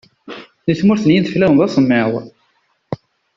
Di tmurt n yideflawen d asemmiḍ.